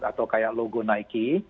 atau kayak logo nike